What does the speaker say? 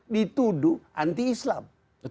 dituduh anti islam